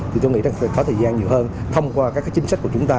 thì tôi nghĩ có thời gian nhiều hơn thông qua các chính sách của chúng ta